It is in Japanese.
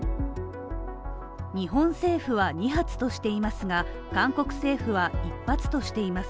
日本政府は２発としていますが、韓国政府は１発としています。